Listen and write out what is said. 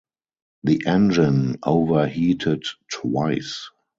The engine overheated twice.